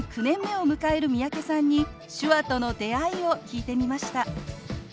９年目を迎える三宅さんに手話との出会いを聞いてみました。